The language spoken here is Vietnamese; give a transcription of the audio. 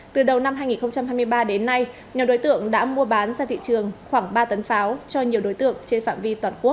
từ đầu năm hai nghìn hai mươi ba đến nay nhiều đối tượng đã mua bán ra thị trường khoảng ba tấn pháo cho nhiều đối tượng trên phạm vi toàn quốc